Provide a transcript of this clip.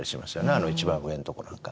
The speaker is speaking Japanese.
あの一番上のとこなんか。